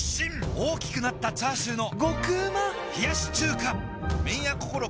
大きくなったチャーシューの麺屋こころ